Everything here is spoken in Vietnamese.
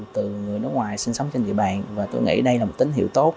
từ người nước ngoài sinh sống trên địa bàn và tôi nghĩ đây là một tín hiệu tốt